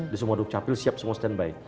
di semua dukcapil siap semua stand by